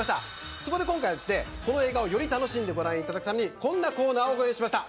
そこで今回はこの映画をより楽しんでいただくためにこんなコーナーを用意しました。